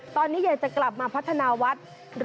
ตอนนี้อยากจะกลับมาพัฒนาวัด